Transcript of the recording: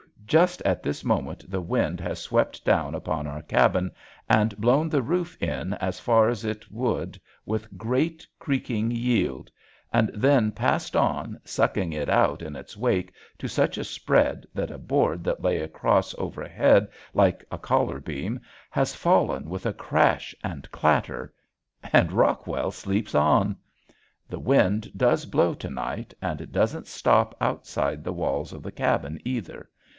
just at this moment the wind has swept down upon our cabin and blown the roof in as far as it would with great creaking yield, and then passed on sucking it out in its wake to such a spread that a board that lay across overhead like a collar beam has fallen with a crash and clatter, and Rockwell sleeps on! The wind does blow to night, and it doesn't stop outside the walls of the cabin either.